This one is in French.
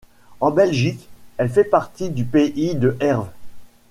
En Belgique, elle fait partie du pays de Herve.